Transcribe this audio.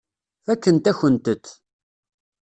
Fakkent-akent-t.